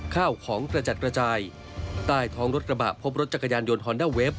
ข้าวของกระจัดกระจายใต้ท้องรถกระบะพบรถจักรยานยนต์ฮอนด้าเวฟ